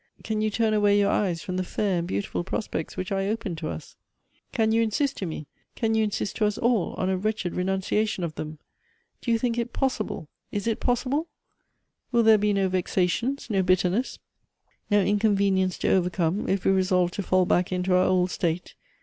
Can you turn away your eyes from the fair and beautiful prospects which I open to us ? Can you insist to me, can you insist to us all, on a wretched renunciation of them? Do you think it possible ? Is it possible? Will there be no vexations, no bitterness, no inconvenience to overcome, if we resolve to fall back into our old state?